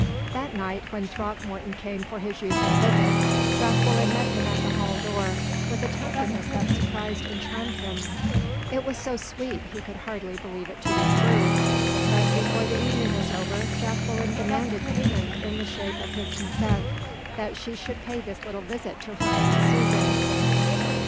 That night, when Throckmorton came for his usual visit, Jacqueline met him at the hall door with a tenderness that surprised and charmed him. It was so sweet, he could hardly believe it to be true. But, before the evening was over, Jacqueline demanded payment in the shape of his consent that she should pay this little visit to her Aunt Susan.